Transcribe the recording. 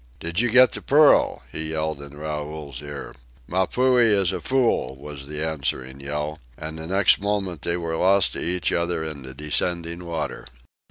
"Did you get the pearl?" he yelled in Raoul's ear. "Mapuhi is a fool!" was the answering yell, and the next moment they were lost to each other in the descending water.